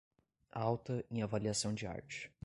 Alta em avaliação de arte